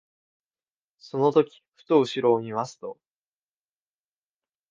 その時ふと後ろを見ますと、